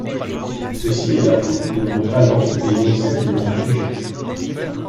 Ceci est la faute de mon talent et non celle de mon sujet.